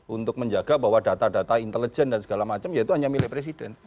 untuk menjaga bahwa data data intelijen dan segala macam ya itu hanya milik presiden